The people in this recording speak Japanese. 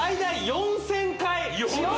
４０００回？